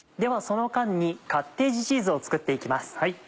その間にカッテージチーズを作って行きます。